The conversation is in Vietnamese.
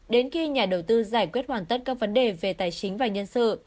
đến khi nhà đầu tư giải quyết hoàn tất các vấn đề về tài chính và nhân sự